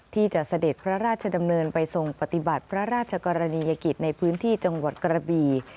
เสด็จพระราชดำเนินไปทรงปฏิบัติพระราชกรณียกิจในพื้นที่จังหวัดกระบี